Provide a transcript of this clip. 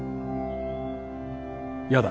嫌だ。